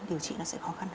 điều trị nó sẽ khó khăn hơn